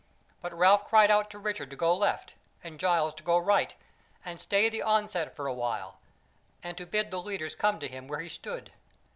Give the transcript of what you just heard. But Ralph cried out to Richard to go left, and Giles to go right, and stay the onset for a while; and to bid the leaders come to him where he stood.